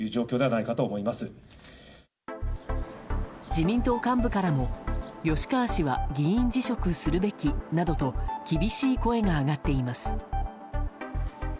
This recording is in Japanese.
自民党幹部からも吉川氏は議員辞職するべきなどと厳しい声が上がっています。